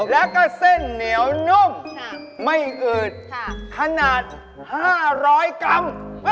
แล้วก็เส้นเหนียวนุ่มไม่อืดขนาด๕๐๐กรัม